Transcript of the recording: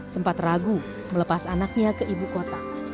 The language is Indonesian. sempat ragu melepas anaknya ke ibu kota